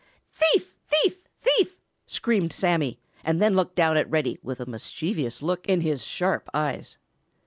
"Thief, thief, thief!" screamed Sammy, and then looked down at Reddy with a mischievous look in his sharp eyes.